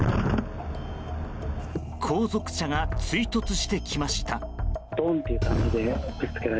後続車が追突してきました。